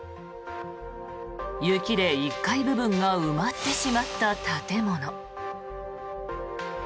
雪で１階部分が埋まってしまった建物。